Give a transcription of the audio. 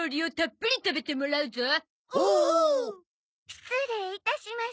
失礼いたします。